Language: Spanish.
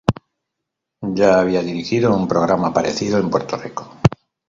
Ya había dirigido un programa parecido, en Puerto Rico.